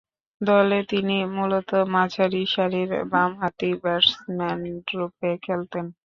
দলে তিনি মূলতঃ মাঝারি সারির বামহাতি ব্যাটসম্যানরূপে খেলতেন।